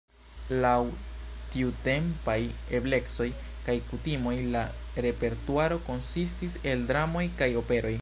Laŭ tiutempaj eblecoj kaj kutimoj la repertuaro konsistis el dramoj kaj operoj.